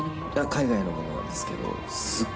海外のものなんですけど。